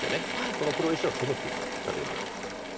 その黒石を攻めていく例えば。